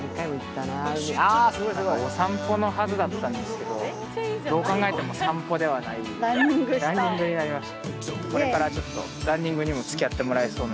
お散歩のはずだったんですけどどう考えても散歩ではないランニングになりました。